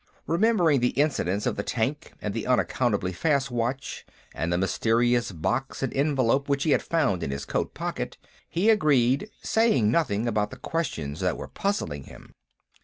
Remembering the incidents of the tank and the unaccountably fast watch, and the mysterious box and envelope which he had found in his coat pocket, he agreed, saying nothing about the questions that were puzzling him.